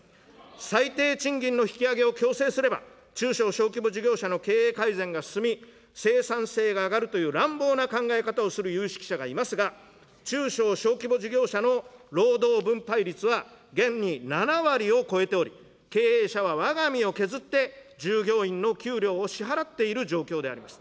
最低賃金の引き上げを強制すれば、中小小規模事業者の経営改善が進み、生産性が上がるという乱暴な考え方をする有識者がいますが、中小小規模事業者の労働分配率は、現に７割を超えており、経営者はわが身を削って、従業員の給料を支払っている状況であります。